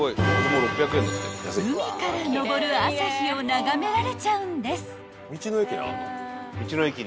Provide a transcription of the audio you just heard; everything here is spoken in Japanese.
［海から昇る朝日を眺められちゃうんです］